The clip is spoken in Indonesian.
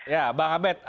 ya pak abed